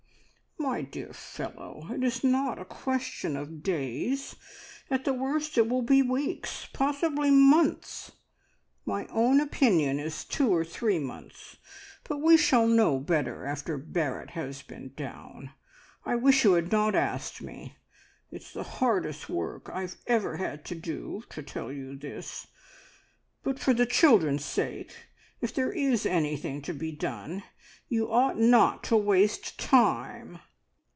"My dear fellow, it's not a question of days! At the worst it will be weeks, possibly months. My own opinion is two or three months, but we shall know better after Barrett has been down. I wish you had not asked me. It's the hardest work I've ever had to do, to tell you this; but for the children's sake If there is anything to be done, you ought not to waste time!"